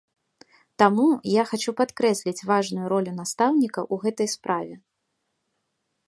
Таму я хачу падкрэсліць важную ролю настаўніка ў гэтай справе.